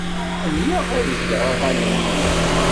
Ḥemmleɣ ad geɣ aɣanen-inu.